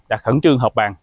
đặt khẩn trương hợp bàn